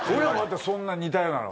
そんな似たようなの。